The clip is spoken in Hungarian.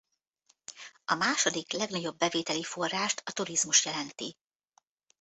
A második legnagyobb bevételi forrást a turizmus jelenti.